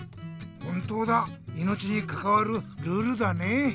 本当だいのちにかかわるルールだね。